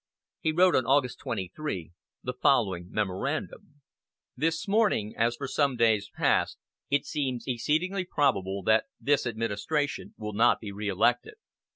He wrote on August 23 the following memorandum: "This morning, as for some days past, it seems exceedingly probable that this administration will not be reelected.